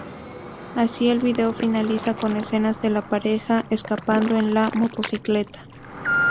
Así el vídeo finaliza con escenas de la pareja escapando en la motocicleta.